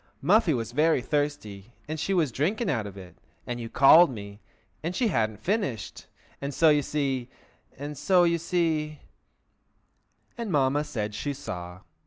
"Muffy was very thirsty, and she was drinking out of it, and you called me, and she hadn't finished, and so, you see—and so, you see—" And Mamma said she saw.